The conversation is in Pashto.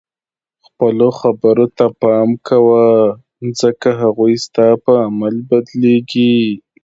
خپلو خبرو ته پام کوه ځکه هغوی ستا په عمل بدلیږي.